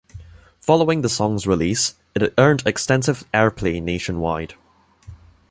Following the song's release, it earned extensive airplay nationwide.